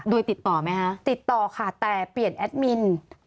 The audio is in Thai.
โดยติดต่อไหมคะติดต่อค่ะแต่เปลี่ยนแอดมิน